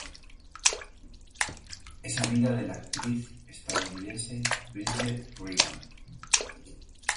Es amiga de la actriz estadounidense Bridget Regan.